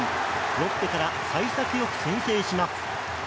ロッテから幸先よく先制します。